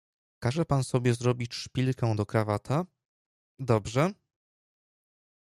"Każe pan sobie zrobić szpilkę do krawata, dobrze?"